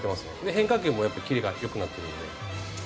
変化球もやっぱキレが良くなってるので。